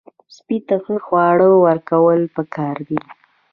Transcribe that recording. سپي ته ښه خواړه ورکول پکار دي.